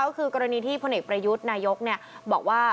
ก็คือกรณีที่พลเอกประยุทธ์นายกบอกว่า